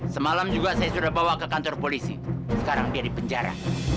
semalam juga saya sudah bawa ke kantor polisi sekarang dia di penjara